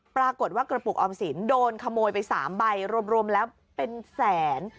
ปรากฏว่ากระปุกออมสินโดนขโมยไป๓ใบรวมแล้วเป็นแสน